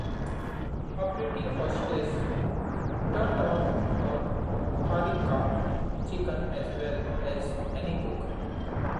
Our pretty hostess turned out a paprika chicken as well as any cook.